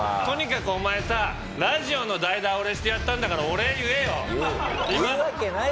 とにかくお前さラジオの代打俺してやったんだからお礼言えよ！